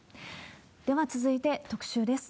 では続いて、特集です。